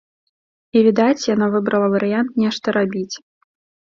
І відаць, яна выбрала варыянт нешта рабіць.